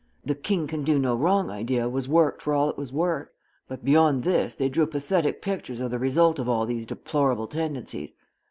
The king can do no wrong idea was worked for all it was worth, but beyond this they drew pathetic pictures of the result of all these deplorable tendencies.